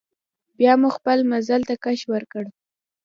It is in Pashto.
بیا مو خپل مزل ته کش ورکړ.